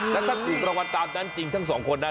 แล้วถ้าถูกรางวัลตามนั้นจริงทั้งสองคนนะ